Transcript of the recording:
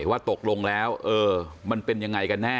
ว่าตกลงแล้วมันเป็นยังไงกันแน่